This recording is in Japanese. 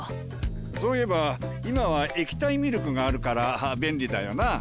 そういえば今は液体ミルクがあるから便利だよな。